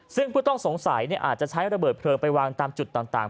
ซึ่งผู้ต้องสงสัยอาจจะใช้ระเบิดเพลิงไปวางตามจุดต่าง